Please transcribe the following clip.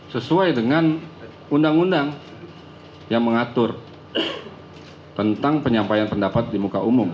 sesuai dengan undang undang yang mengatur tentang penyampaian pendapat di muka umum